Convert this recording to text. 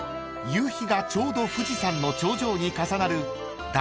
夕日がちょうど富士山の頂上に重なる］